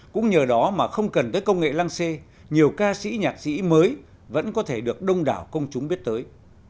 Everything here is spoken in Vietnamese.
cũng nhờ đó mà không cần tới công nghệ lăng xê nhiều ca sĩ nhạc sĩ mới vẫn có thể được đông đảo công chúng biết tới